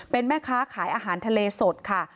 เป็นแม่ค้าขายอาหารทะเลสดค่ะ